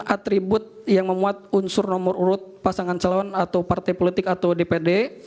atribut yang memuat unsur nomor urut pasangan calon atau partai politik atau dpd